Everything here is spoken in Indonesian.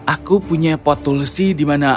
aku punya pot tulsi di mana ada